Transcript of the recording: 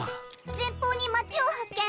前方に町を発見。